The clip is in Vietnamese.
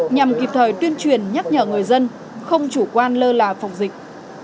nhằm kịp thời tuyên truyền nhắc nhở người dân không chủ quan lơ là phòng dịch